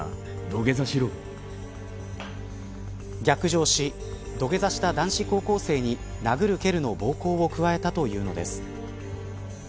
逆上し土下座した男子高校生に殴る蹴るの暴行を加えたというのです。